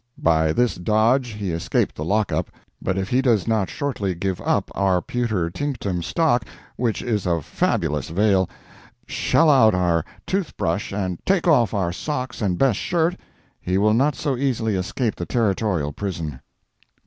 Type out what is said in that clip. By this dodge he escaped the lock up, but if he does not shortly give up our Pewtertinctum stock—which is of fabulous vale—shell out our tooth brush and take off our socks and best shirt, he will not so easily escape the Territorial prison.